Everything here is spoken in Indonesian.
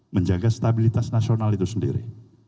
menjaga stabilitas nasional itu sendiri